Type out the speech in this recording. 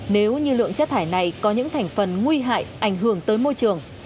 nếu như lượng chất thải này có những thành phần nguy hại ảnh hưởng tới môi trường